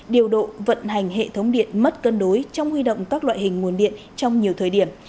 điều độ vận hành hệ thống điện mất cân đối trong huy động các loại hình nguồn điện trong nhiều thời điểm